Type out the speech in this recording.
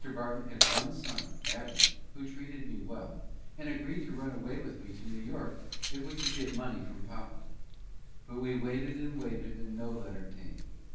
Barton had one son, Abner, who treated me well, and agreed to run away with me to New York, if we could get money from papa. But we waited and waited, and no letter came.